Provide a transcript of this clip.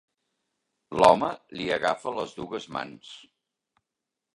L'home li agafa les dues mans.